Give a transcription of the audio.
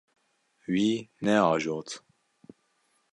Wî neajot.